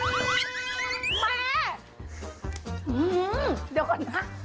แม่เดี๋ยวก่อนนะ